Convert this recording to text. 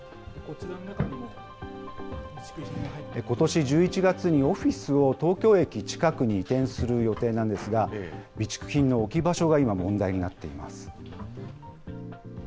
ことし１１月にオフィスを東京駅近くに移転する予定なんですが、備蓄品の置き場所が今、問題になっています。